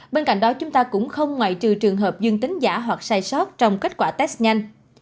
bên cạnh đó chúng ta cũng không ngoại trừ trường hợp dương tính giả hoặc sai sót trong kết quả test nhanh